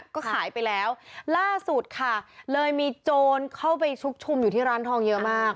ก็ขายไปแล้วล่าสุดค่ะเลยมีโจรเข้าไปชุกชุมอยู่ที่ร้านทองเยอะมาก